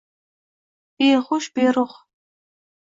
Behush, beruh